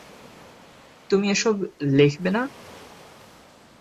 তুমি এসব লেখবে না?